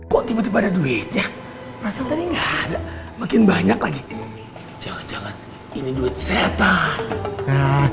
kok tiba tiba ada duitnya perasaan tadi enggak ada makin banyak lagi jangan jangan ini duit setan